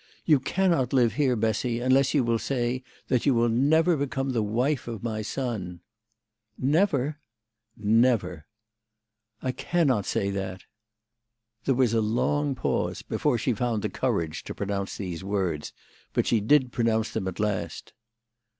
" You cannot live here, Bessy, unless you will say that you will never become the wife of my son." '"Never?" " Never !"" I cannot say that." There was a long pause before she found the courage to pronounce these words, but she did pronounce them at last.